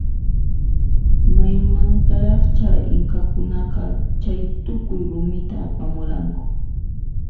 Maymantaraqcha inkakunaqa chaytukuy rumita apamuranku?